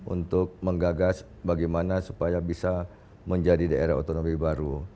untuk menggagas bagaimana supaya bisa menjadi daerah otonomi baru